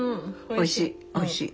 おいしいおいしい。